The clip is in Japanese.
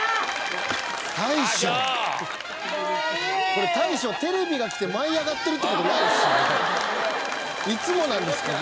これ大将テレビが来て舞い上がってるって事ないですよね？